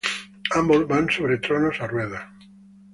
Ambos van sobre tronos a ruedas.